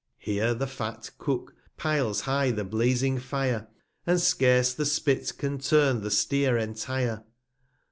ir i A Here the fat Cook piles high the blazing Fire, 245 And scarce the Spit can turn the Steer entire.